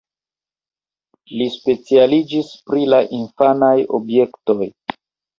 Li specialiĝis pri la infanaj objektoj.